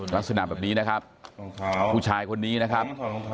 ลักษณะแบบนี้นะครับผู้ชายคนนี้นะครับ